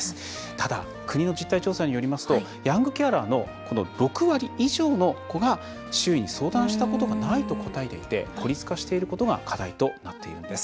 ただ、国の実態調査によりますとヤングケアラーのこの６割以上の子が周囲に相談したことがないと答えていて孤立化していることが課題となっているんです。